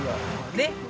ねっ。